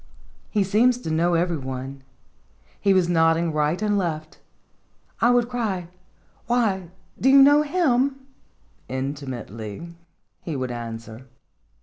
He seems to know every one ; he was nodding right and left. 1 would cry: "Why, do you know him?" " Inti mately," he would answer.